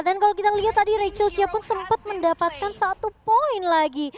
dan kalau kita lihat tadi rachel siapun sempat mendapatkan satu poin lagi